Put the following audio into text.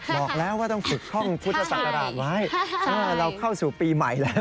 อ๋อ๒๕๕๙บอกแล้วว่าต้องฝึกห้องพุทธศักดิ์ต่างราชไว้เราเข้าสู่ปีใหม่แล้ว